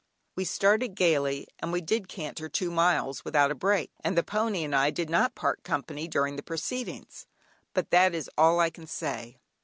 We started gaily, and we did canter two miles without a break, and the pony and I did not part company during the proceedings, but that is all I can say.